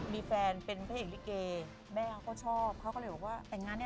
มีแฟนเป็นพระเอกลิเกแม่เขาก็ชอบเขาก็เลยบอกว่าแต่งงานเนี่ย